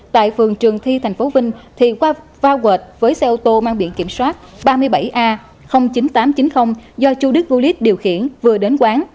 tại phường trường thi thành phố vinh thì qua vao quệt với xe ô tô mang biện kiểm soát ba mươi bảy a chín nghìn tám trăm chín mươi do chú đức hulit điều khiển vừa đến quán